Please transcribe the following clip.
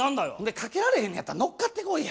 かけられへんのやったら乗っかってこいや。